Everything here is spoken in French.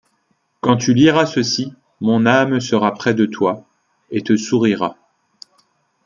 Quand tu liras ceci, mon âme sera près de toi, et te sourira.